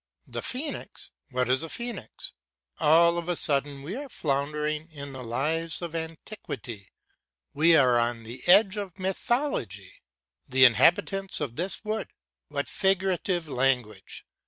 The phoenix! What is a phoenix? All of a sudden we are floundering in the lies of antiquity we are on the edge of mythology. "The inhabitants of this wood." What figurative language!